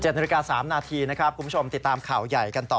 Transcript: ๗๓๐นคุณผู้ชมติดตามข่าวใหญ่กันต่อ